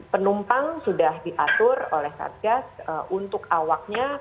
penumpang sudah diatur oleh satgas untuk awaknya